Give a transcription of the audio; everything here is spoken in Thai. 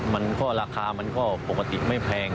มันก็ราคามันก็ปกติไม่แพง